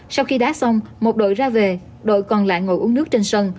sau khi đá xong một đội ra về đội còn lại ngồi uống nước trên sân